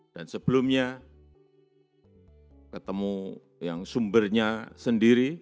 dan sebelumnya ketemu yang sumbernya sendiri